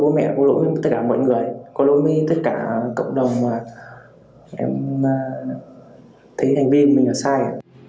có lỗi với tất cả mọi người có lỗi với tất cả cộng đồng mà em thấy thành viên mình là sai